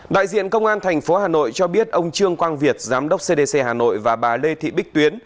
đại diện công an tp hà nội cho biết ông trương quang việt giám đốc cdc hà nội và bà lê thị bích tuyến